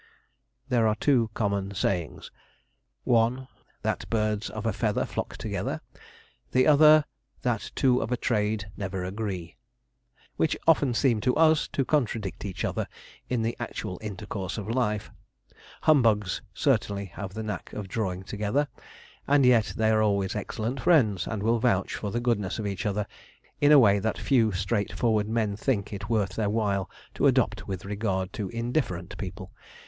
There are two common sayings; one, 'that birds of a feather flock together'; the other, 'that two of a trade never agree'; which often seem to us to contradict each other in the actual intercourse of life. Humbugs certainly have the knack of drawing together, and yet they are always excellent friends, and will vouch for the goodness of each other in a way that few straight forward men think it worth their while to adopt with regard to indifferent people.